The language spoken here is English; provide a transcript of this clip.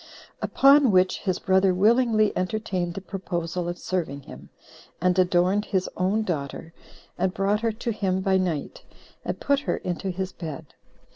Upon which his brother willingly entertained the proposal of serving him, and adorned his own daughter, and brought her to him by night, and put her into his bed.